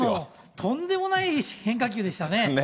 とんでもない変化球でしたね。